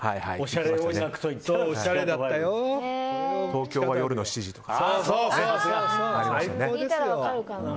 「東京は夜の７時」とか。